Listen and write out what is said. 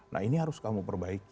nah ini harus kamu perbaiki